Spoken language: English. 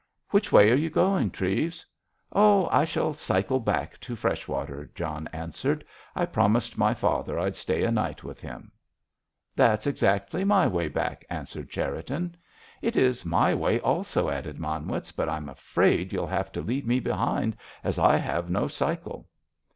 "Which way are you going, Treves?" "Oh! I shall cycle back to Freshwater," John answered. "I promised my father I'd stay a night with him." "That's exactly my way back," answered Cherriton. "It is my way also," added Manwitz, "but I'm afraid you'll have to leave me behind, as I have no cycle."